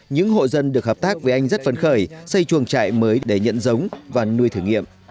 những hộ dân được hợp tác với anh rất phấn khởi xây chuồng trại mới để nhận giống và nuôi thử nghiệm